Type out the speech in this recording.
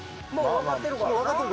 もう分かってるからな。